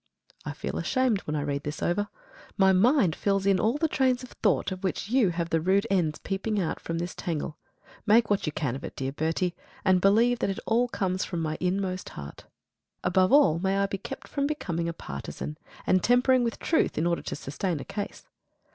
I feel ashamed when I read this over. My mind fills in all the trains of thought of which you have the rude ends peeping out from this tangle. Make what you can of it, dear Bertie, and believe that it all comes from my innermost heart. Above all may I be kept from becoming a partisan, and tempering with truth in order to sustain a case.